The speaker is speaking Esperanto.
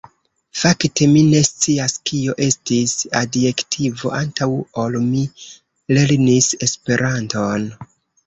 Fakte mi ne scias kio estis adjektivo antaŭ ol mi lernis Esperanton.